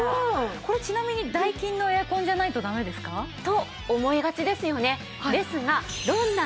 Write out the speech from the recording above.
これちなみにダイキンのエアコンじゃないとダメですか？と思いがちですよね。